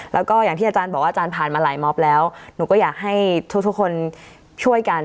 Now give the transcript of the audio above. แล้วก็อย่างที่อาจารย์บอกว่าอาจารย์ผ่านมาหลายมอบแล้วหนูก็อยากให้ทุกคนช่วยกัน